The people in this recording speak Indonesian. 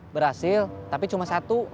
berhasil tapi cuma satu